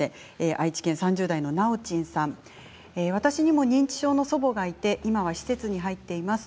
愛知県３０代の方私も認知症の祖母がいて今は施設に入っています。